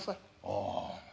ああ。